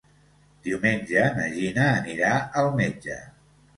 Diumenge na Gina anirà al metge.